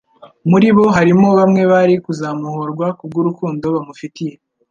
muri bo harimo bamwe bari kuzamuhorwa kubw'urukundo bamufitiye.